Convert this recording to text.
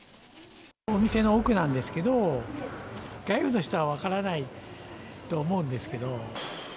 お店の奥なんですけど、外部の人は分からないと思うんですけど。